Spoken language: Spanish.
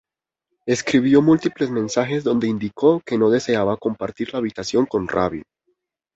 Escribió múltiples mensajes donde indicó que no deseaba compartir la habitación con Ravi.